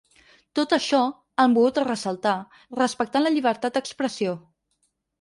Tot això, han volgut ressaltar, respectant la llibertat d’expressió.